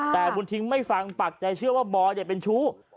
แต่บุญทิ้งไม่ฟังปักใจเชื่อว่าบอยเป็นชู้